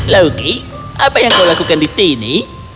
loki apa yang kau lakukan di sini